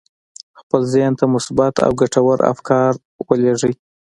خپل ذهن ته مثبت او ګټور افکار ولېږئ.